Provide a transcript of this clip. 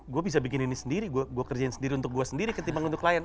gue bisa bikin ini sendiri gue kerjain sendiri untuk gue sendiri ketimbang untuk klien